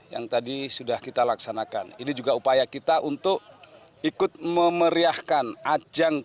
seribu empat ratus tujuh puluh empat yang tadi sudah kita laksanakan ini juga upaya kita untuk ikut memeriahkan ajang